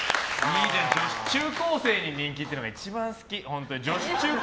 女子中高生に人気っていうのが一番好き。